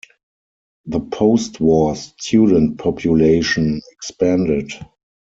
The postwar student population expanded.